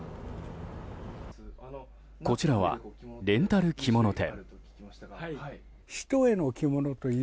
こちらはレンタル着物店。